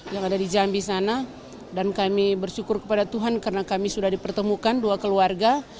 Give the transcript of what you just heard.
yang ada di jambi sana dan kami bersyukur kepada tuhan karena kami sudah dipertemukan dua keluarga